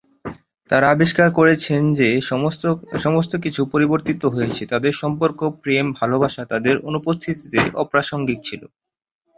তারা আবিষ্কার করেছেন যে সমস্ত কিছু পরিবর্তিত হয়েছে, তাদের সম্পর্ক, প্রেম, ভালবাসা তাদের অনুপস্থিতিতে অপ্রাসঙ্গিক ছিল।